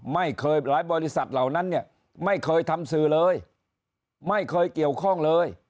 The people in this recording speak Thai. ไม่เคยหลายบริษัทเหล่านั้นเนี่ยไม่เคยทำสื่อเลยไม่เคยเกี่ยวข้องเลย